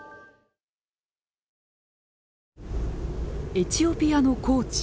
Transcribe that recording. エチオピアの高地。